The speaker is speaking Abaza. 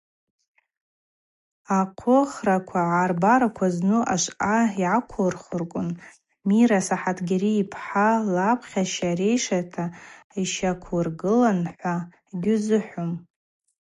Архъвыхра гӏарбараква зну ашвъа йгӏаквухырквын Мира Сахӏатгьари йпхӏа лапхьаща рейшата йщаквгыланхӏва йгьузыхӏвум.